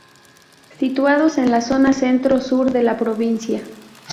Situados en la zona centro sur de la provincia.